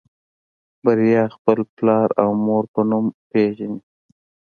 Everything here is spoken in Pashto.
بريا خپل پلار او مور په نوم پېژني.